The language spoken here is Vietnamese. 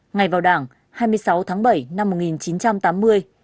ngày vào đảng hai mươi sáu tháng bảy năm một nghìn chín trăm tám mươi